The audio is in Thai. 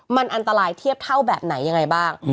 มันอันตรายเทียบเท่าแบบไหนยังไงบ้าง